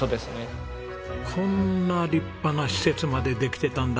こんな立派な施設までできてたんだ。